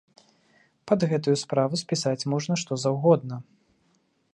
Пад гэтую справу спісаць можна што заўгодна.